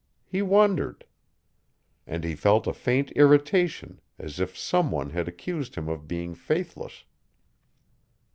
He wondered. And he felt a faint irritation, as if some one had accused him of being faithless.